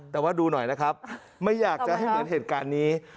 แต่ว่าดูหน่อยนะครับไม่อยากจะให้เหมือนเหตุการณ์นี้